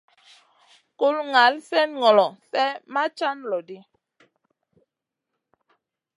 Kuna ŋal slèh ŋolo, slèh may can loɗi.